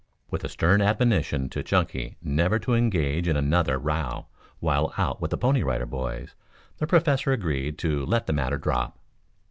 With a stern admonition to Chunky never to engage in another row while out with the Pony Rider Boys, the Professor agreed to let the matter drop.